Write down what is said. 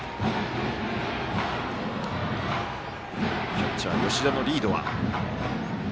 キャッチャー、吉田のリードは。